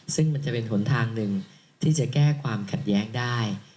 ซึ่งมันจะเป็นหนทางหนึ่งที่จะแก้ความขัดแย้งได้